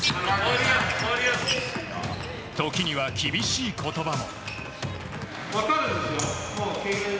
時には厳しい言葉も。